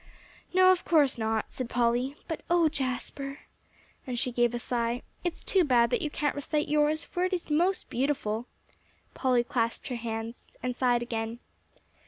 "No, of course not," said Polly. "But, oh, Jasper," and she gave a sigh, "it's too bad that you can't recite yours, for it is most beautiful!" Polly clasped her hands and sighed again.